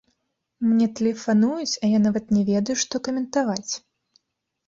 Мне тэлефануюць, а я нават не ведаю, што каментаваць.